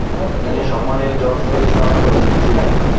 তিনি সম্মানীয় George Harris নামে পরিচিত ছিলেন।